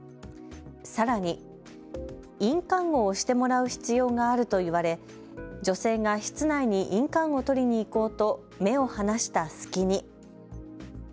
さらに印鑑を押してもらう必要があると言われ女性が室内に印鑑を取りに行こうと目を離した隙に。